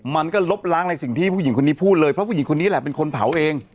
มันก็ลบล้างในสิ่งที่ผู้หญิงคนนี้พูดเลยเพราะผู้หญิงคนนี้แหละเป็นคนเผาเอง